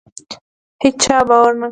هیچا باور نه کاوه.